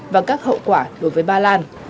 và các hậu quả đối với ba lan